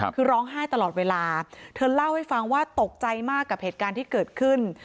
คือร้องไห้ตลอดเวลาเธอเล่าให้ฟังว่าตกใจมากกับเหตุการณ์ที่เกิดขึ้น